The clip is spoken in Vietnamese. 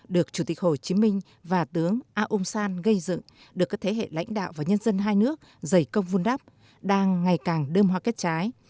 được chủ tịch hồ chí minh và tướng aung san gây dựng được các thế hệ lãnh đạo và nhân dân hai nước dày công vun đắp đang ngày càng đơm hoa kết trái